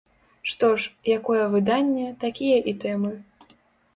Што ж, якое выданне, такія і тэмы.